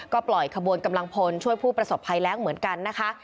ก็ปล่อยขบวนกำลังพลช่วยผู้ประสบภัยแรงเหมือนกันนะคะ